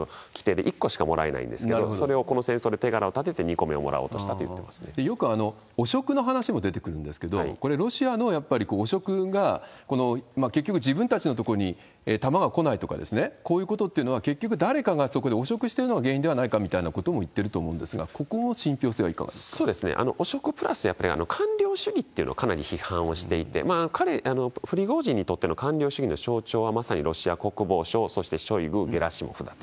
ここにつける、星のもので、彼が１個つけてるんですけれども、今はロシアの規定で１個しかもらえないんですけど、それをこの戦争で手柄を立てて２個目をもらおよく汚職の話も出てくるんですけど、これ、ロシアのやっぱり汚職が、結局、自分たちの所に弾が来ないとか、こういうことっていうのは結局誰かがそこで汚職してるのが原因ではないかみたいなことも言ってると思うんですが、ここの信ぴょうそうですね、汚職プラス、やっぱり官僚主義というのをかなり批判をしていて、彼、プリゴジンにとっての官僚主義の象徴はまさにロシア国防省、そしてショイグ、ゲラシモフだと。